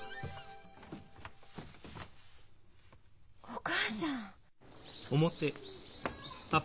お母さん。